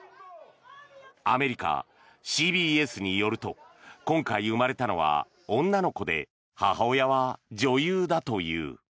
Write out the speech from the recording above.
アメリカ、ＣＢＳによると今回生まれたのは女の子で母親は女優だという。